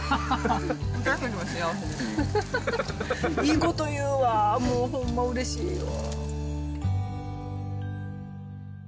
いいこと言うわ、もうほんま、うれしいわ。